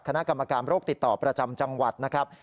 คณะกรรมการโรคติดต่อประจำจังหวัดนะครับ